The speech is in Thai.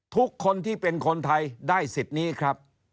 ทุกคนที่เป็นคนไทยได้สิทธิ์นี้ครับ